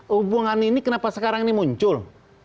hubungan ini kenapa sekarang ini muncul